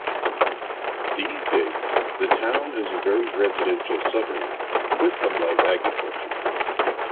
These days the town is a very residential suburb, with some light agriculture.